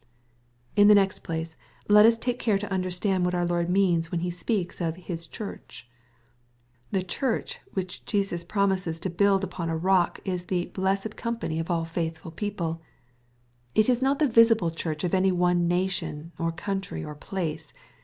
In the next place, let us take care that we understand ^ iohcU our Lord means when He speaks of His Church. MATTHEW, CHAP. XVL 197 The Church which Jesus promises to huild upon a rock, is the "blessed company of all faithful people." It is not the visible church of any one nation, or country, or place.